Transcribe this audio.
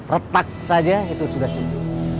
retak saja itu sudah cukup